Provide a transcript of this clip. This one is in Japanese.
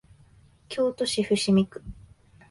京都市伏見区